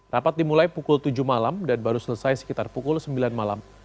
rapat dimulai pukul tujuh malam dan baru selesai sekitar pukul sembilan malam